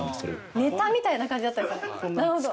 ネタみたいな感じだったんですか。